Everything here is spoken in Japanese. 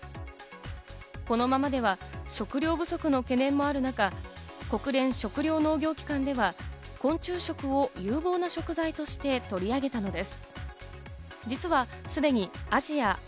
このままでは食糧不足の懸念もある中、国連食糧農業機関では、昆虫食を有望な食材として取り上げたのです。